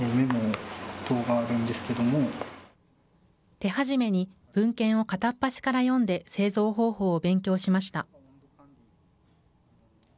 手始めに文献を片っ端から読んで、製造方法を勉強しました。